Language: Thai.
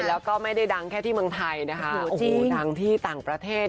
แล้วก็ไม่ได้ดังแค่ที่เมืองไทยนะคะโอ้โหดังที่ต่างประเทศ